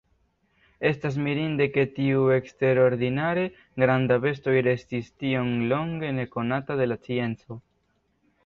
Estas mirinde ke tiu eksterordinare granda besto restis tiom longe nekonata de la scienco.